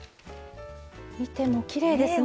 見てもきれいですね。